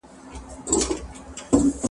ته وا خوشي په لمنو کي د غرو سوه